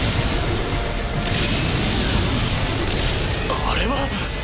あれは！